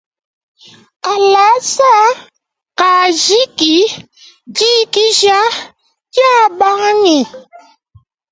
Kalasa kajiki, dikisha dia bangi.